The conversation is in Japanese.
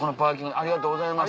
ありがとうございます。